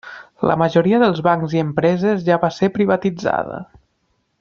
La majoria dels bancs i empreses ja va ser privatitzada.